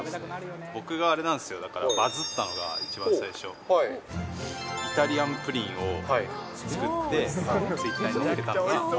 僕があれなんですよ、だからバズったのが一番最初、イタリアンプリンを作って、ツイッターにあげたんですよ。